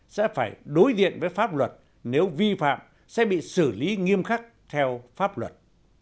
sẽ phải đối diện với pháp luật nếu vi phạm sẽ bị xử lý nghiêm khắc theo pháp luật